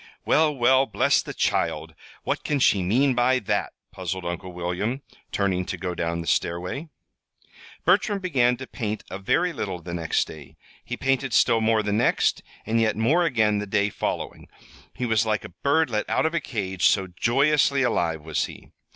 "Well, well, bless the child! What can she mean by that?" puzzled Uncle William, turning to go down the stairway. Bertram began to paint a very little the next day. He painted still more the next, and yet more again the day following. He was like a bird let out of a cage, so joyously alive was he.